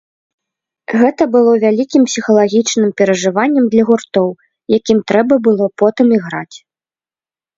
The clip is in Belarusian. Гэта было вялікім псіхалагічным перажываннем для гуртоў, якім трэба было потым іграць.